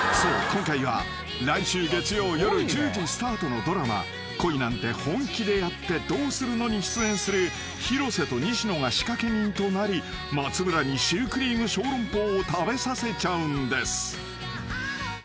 今回は来週月曜夜１０時スタートのドラマ『恋なんて、本気でやってどうするの？』に出演する広瀬と西野が仕掛け人となり松村にシュークリームショーロンポーを食べさせちゃうんです］